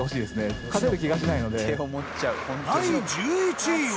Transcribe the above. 第１１位は。